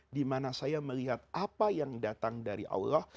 dimana saya melihat apa yang datang dari allah